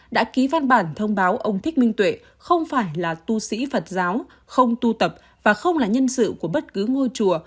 đã ký văn bản thông báo ông thích minh tuệ không phải là tu sĩ phật giáo không tu tập và không là nhân sự của bất cứ ngôi chùa